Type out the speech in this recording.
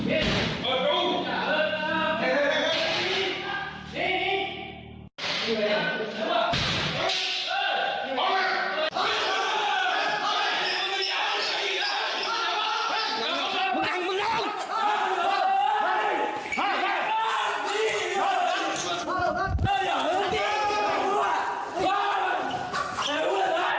เออเออ